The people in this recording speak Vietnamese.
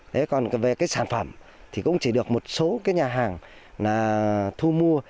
thế còn về cái sản phẩm thì cũng chỉ được một số cái nhà hàng thu mua